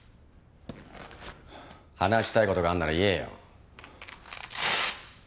話したい事があるんなら言えよ。